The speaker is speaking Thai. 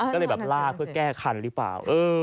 ก็เลยแบบลากเพื่อแก้คันหรือเปล่า